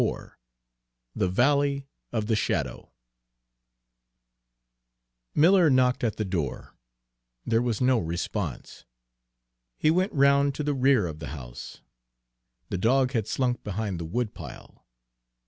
XXXIV THE VALLEY OF THE SHADOW Miller knocked at the door. There was no response. He went round to the rear of the house. The dog had slunk behind the woodpile.